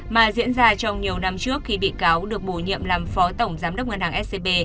mà diễn ra trong nhiều năm trước khi bị cáo được bổ nhiệm làm phó tổng giám đốc ngân hàng scb